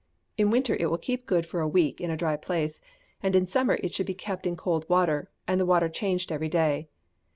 In winter it will keep good for a week in a dry place, and in summer it should be kept in cold water, and the water changed every day.